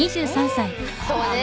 そうね。